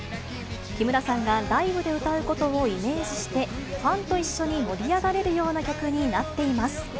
木村さんがライブで歌うことをイメージして、ファンと一緒に盛り上がれるような曲になっています。